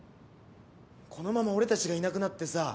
このまま俺たちがいなくなってさあ